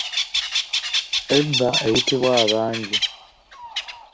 Eba eyitibwa abangi.